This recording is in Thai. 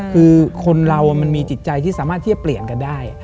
คือคนเรามันมีจิตใจที่สามารถที่จะเปลี่ยนกันได้